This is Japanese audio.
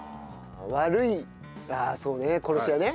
悪いああそうね